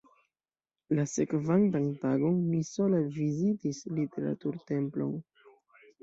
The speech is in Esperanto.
La sekvantan tagon mi sola vizitis Literatur-Templon.